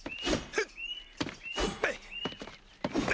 フッ！